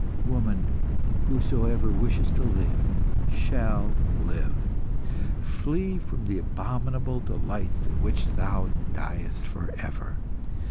"Woman, whosoever wishes to live shall live. Flee from the abominable delights in which thou diest for ever.